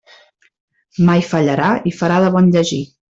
Mai fallarà i farà de bon llegir.